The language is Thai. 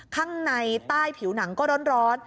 ข้างในใต้ผิวหนังก็ร้อน